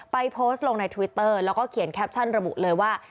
โพสต์ลงในทวิตเตอร์แล้วก็เขียนแคปชั่นระบุเลยว่า